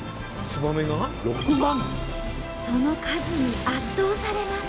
その数に圧倒されます。